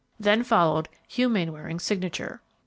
Then followed Hugh Mainwaring's signature.